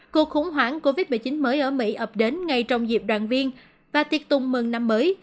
cuộc khủng hoảng covid một mươi chín mới ở mỹ ập đến ngay trong dịp đoàn viên và tiệc tùng mừng năm mới